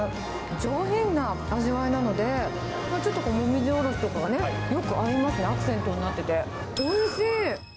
上品な味わいなので、ちょっとこう、もみじおろしとかがよく合いますね、アクセントになってて、おいしい！